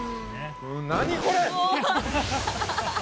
何これ！？